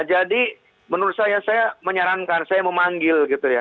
jadi menurut saya saya menyarankan saya memanggil